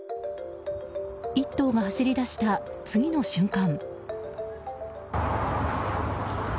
１頭が走り出した、次の瞬間。